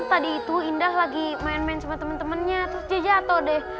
tadi itu indah lagi main main sama temen temennya terus dia jatuh deh